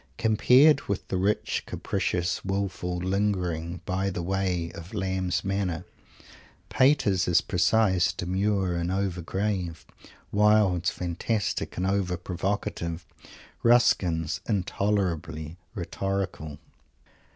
Compared with the rich, capricious, wilful, lingering by the way of Lamb's manner, Pater's is precise, demure and over grave, Wilde's fantastic and over provocative, Ruskin's intolerably rhetorical.